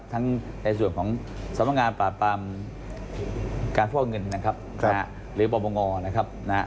ทั้งในส่วนของสำนักงานปรับปรามการฟ่องเงินนะครับหรือปรบงอนะครับ